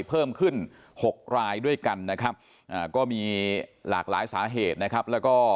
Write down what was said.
เพิ่มขึ้น๖รายด้วยกันนะครับก็มีหลากหลายสาเหตุนะครับแล้วก็